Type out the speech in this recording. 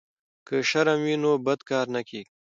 که شرم وي نو بد کار نه کیږي.